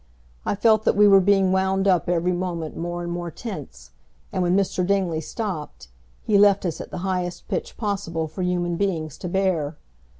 I felt that we were being wound up every moment more and more tense, and when Mr. Dingley stopped, he left us at the highest pitch possible for human beings to bear.